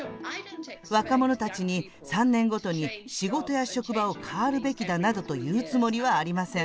若者たちに、３年ごとに仕事や職場を変わるべきだなどと言うつもりはありません。